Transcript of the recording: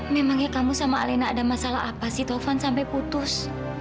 memangnya kamu sama alena ada masalah apa sih taufan sampai putus